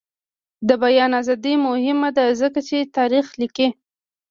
د بیان ازادي مهمه ده ځکه چې تاریخ لیکي.